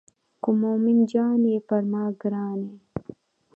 که مومن جان یې پر ما ګران یې.